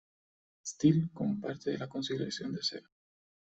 Steel como parte de la consolidación de acero.